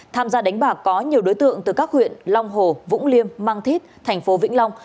tham gia đánh bạc có nhiều đối tượng từ các huyện long hồ vũng liêm mang thít thành phố vĩnh long